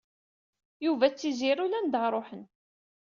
Yuba d Tiziri ulanda ad ṛuḥen.